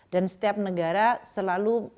dan setiap negara selalu membutuhkan untuk pertahanan